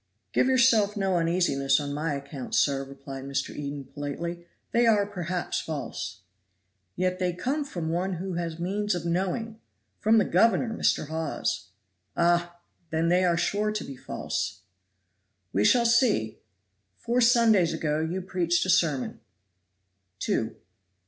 "Give yourself no uneasiness on my account, sir," replied Mr. Eden politely, "they are perhaps false." "Yet they come from one who has means of knowing from the governor, Mr. Hawes." "Ah! then they are sure to be false." "We shall see. Four Sundays ago you preached a sermon." "Two."